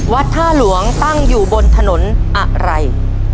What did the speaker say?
ท่าหลวงตั้งอยู่บนถนนอะไร